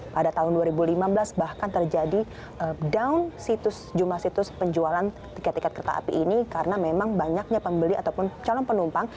pada tahun dua ribu lima belas bahkan terjadi down jumlah situs penjualan tiket tiket kereta api ini karena memang banyaknya pembeli ataupun calon penumpang